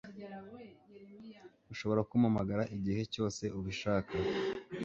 Ushobora kumpamagara igihe cyose ubishakiye.